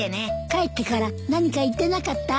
帰ってから何か言ってなかった？